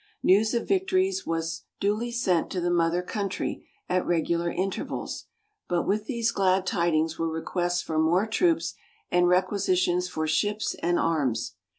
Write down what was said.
News of victories was duly sent to the "mother country" at regular intervals, but with these glad tidings were requests for more troops, and requisitions for ships and arms.